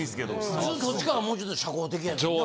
普通どっちかがもうちょっと社交的やけどな。